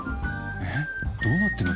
えっどうなってるの？